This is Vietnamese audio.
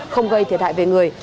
không gây thiệt hại về người